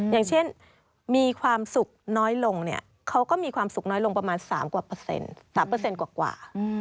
อย่างเช่นมีความสุขน้อยลงเนี่ยเขาก็มีความสุขน้อยลงประมาณ๓เปอร์เซ็นต์๓เปอร์เซ็นต์กว่า